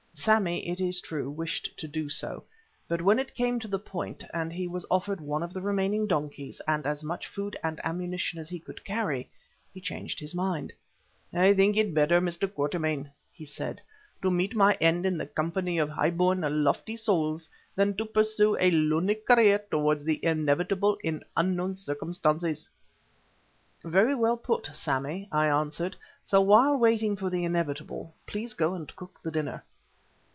Sammy, it is true, wished to do so, but when it came to the point and he was offered one of the remaining donkeys and as much food and ammunition as he could carry, he changed his mind. "I think it better, Mr. Quatermain," he said, "to meet my end in the company of high born, lofty souls than to pursue a lonely career towards the inevitable in unknown circumstances." "Very well put, Sammy," I answered; "so while waiting for the inevitable, please go and cook the dinner."